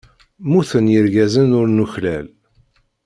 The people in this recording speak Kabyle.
Mmuten yirgazen ur nuklal.